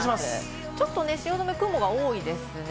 ちょっと汐留、雲が多いですね。